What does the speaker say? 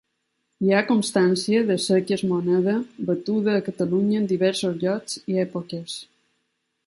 Hi ha constància de seques moneda batuda a Catalunya en diversos llocs i èpoques.